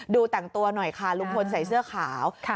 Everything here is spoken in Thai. ดูแต่งตัวหน่อยค่ะลุงพลใส่เสื้อขาว